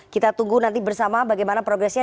kita tunggu nanti bersama bagaimana progresnya